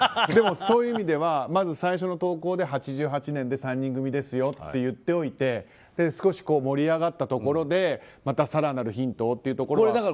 そういう意味では最初の投稿で８８年で３人組ですよと言っておいて少し盛り上がったところで更なるヒントをというところは。